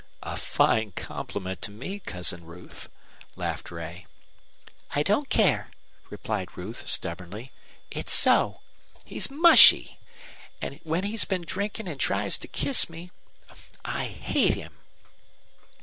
"A fine compliment to me, Cousin Ruth," laughed Ray. "I don't care," replied Ruth, stubbornly, "it's so. He's mushy. And when he's been drinking and tries to kiss me I hate him!"